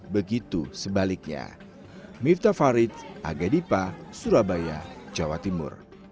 pembelian pakan begitu sebaliknya